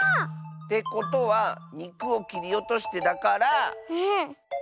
てことは「にくをきりおとして」だから。